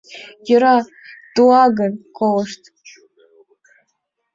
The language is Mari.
— Йӧра туалгын, колышт!